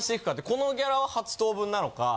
このギャラは８等分なのか。